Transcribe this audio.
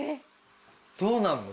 どうなるの？